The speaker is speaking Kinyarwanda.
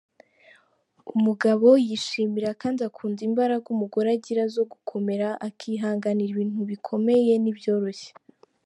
Umugabo yishimira kandi akunda imbaraga umugore agira zo gukomera akihanganira ibintu bikomeye n’ibyoroshye.